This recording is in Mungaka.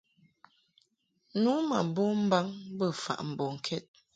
Nu ma bom mbaŋ bə faʼ mbɔŋkɛd.